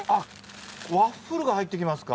ワッフルが入ってきますか。